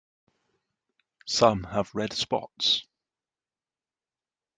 Some have red spots.